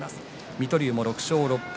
水戸龍も６勝６敗。